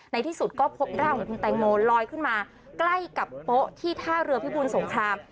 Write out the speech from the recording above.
ในที่สุดก็พบร่างของคุณแตงโมลอยขึ้นมาใกล้กับโป๊ะที่ท่าเรือพิบูลสงคราม